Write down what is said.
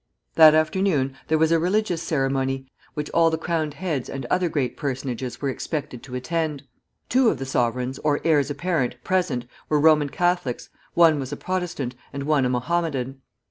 That afternoon there was a religious ceremony, which all the crowned heads and other great personages were expected to attend. Two of the sovereigns or heirs apparent present were Roman Catholics, one was a Protestant, and one a Mohammedan.